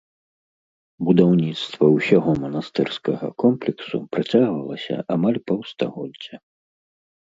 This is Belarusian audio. Будаўніцтва ўсяго манастырскага комплексу працягвалася амаль паўстагоддзя.